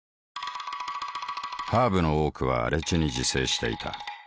ハーブの多くは荒地に自生していた。